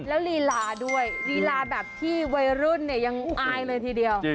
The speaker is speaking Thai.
แล้วลีลาด้วยลีลาแบบที่วัยรุ่นเนี่ยยังอายเลยทีเดียว